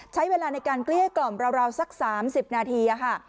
ใช้เวลาในการเกลี้ยกล่อมราวสัก๓๐นาทีค่ะ